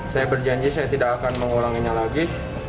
saya berjanji saya tidak akan mengulanginya lagi